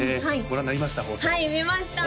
ご覧になりました？